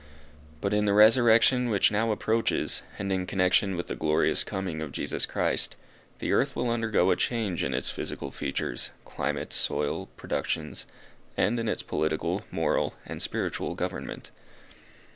But in the resurrection which now approaches, and in connexion with the glorious coming of Jesus Christ, the earth will undergo a change in its physical features, climate, soil, productions; and in its political, moral, and spiritual government.